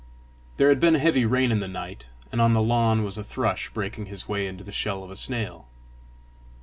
There had been heavy rain in the night, and on the lawn was a thrush breaking his way into the shell of a snail.